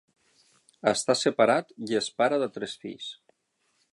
Està separat i és pare de tres fills.